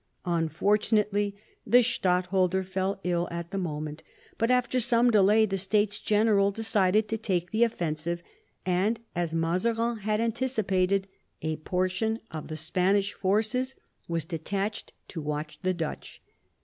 Unfortunately, the stadtholder fell ill at the moment, but after some delay the States General decided to take the offensive, and, as Mazarin had anticipated, a portion of the Spanish forces was detached to watch the Dutch.